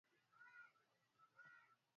ya Baltiki inapokea mm Mia sita Moscow kwa mwaka